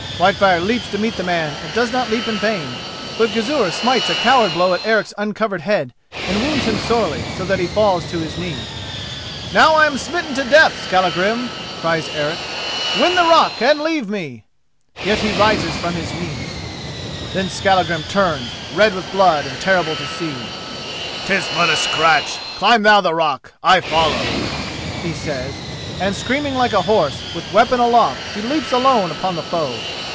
Whitefire leaps to meet the man and does not leap in vain; but Gizur smites a coward blow at Eric's uncovered head, and wounds him sorely, so that he falls to his knee. "Now I am smitten to the death, Skallagrim," cries Eric. "Win the rock and leave me." Yet he rises from his knee. Then Skallagrim turns, red with blood and terrible to see. "'Tis but a scratch. Climb thou the rock—I follow," he says, and, screaming like a horse, with weapon aloft he leaps alone upon the foe.